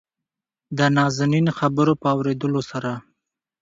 دنازنين خبرو په اورېدلو سره